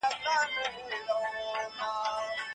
د شقاق سبب د کوم لوري څخه کيدلای سي؟